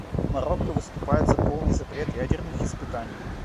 Марокко выступает за полный запрет ядерных испытаний.